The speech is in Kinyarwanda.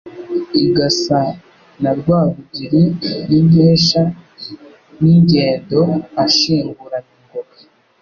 Igasa na Rwabugiri n' inkeshaN' ingendo ashinguranye ingoga